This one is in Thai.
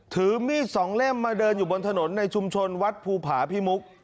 ถือมีดสองเล่มมาเดินอยู่บนถนนในชุมชนวัดภูผาพิมุก